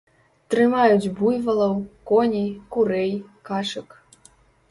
Трымаюць буйвалаў, коней, курэй, качак.